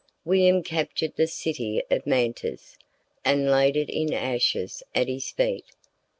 William captured the city of Mantes, and laid it in ashes at his feet.